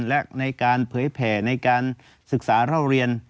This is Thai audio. และในการเผยแผ่ในการศึกษาเล่าเรียน